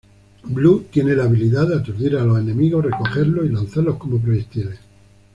Blue tiene la habilidad de aturdir a los enemigos, recogerlos y lanzarlos como proyectiles.